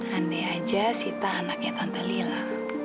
aneh aja sita anaknya tante lila